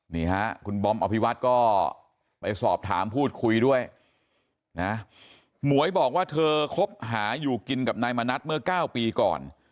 นี่ฮะคุณบอมอภิวัฒน์ก็ไปสอบถามพูดคุยด้วยนะหมวยบอกว่าเธอคบหาอยู่กินกับนายมณัฐเมื่อ๙ปีก่อน